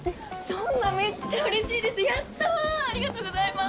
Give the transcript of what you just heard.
そんなめっちゃうれしいですやったありがとうございます！